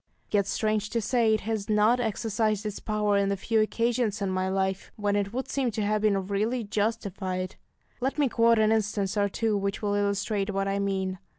Yet, strange to say, it has not exercised its power in the few occasions in my life when it would seem to have been really justified. Let me quote an instance or two which will illustrate what I mean.